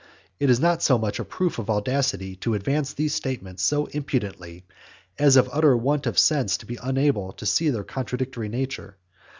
It is not so much a proof of audacity to advance these statements so impudently, as of utter want of sense to be unable to see their contradictory nature.